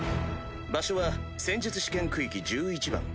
場所は戦術試験区域１１番。